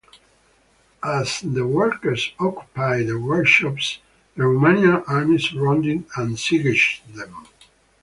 As the workers occupied the workshops, the Romanian Army surrounded and sieged them.